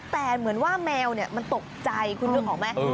แต่เหมือนว่าแมวมันตกใจคุณนึกออกไหม